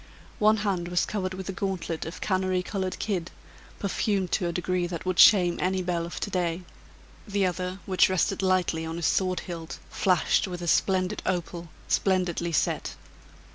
One hand was covered with a gauntlet of canary colored kid, perfumed to a degree that would shame any belle of to day, the other, which rested lightly on his sword hilt, flashed with a splendid opal, splendidly set.